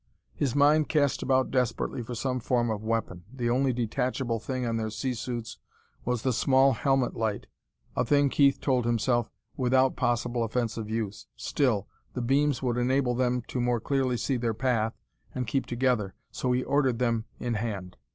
His mind cast about desperately for some form of weapon. The only detachable thing on their sea suits was the small helmet light, a thing, Keith told himself, without possible offensive use. Still, the beams would enable them to more clearly see their path and keep together, so he ordered them in hand.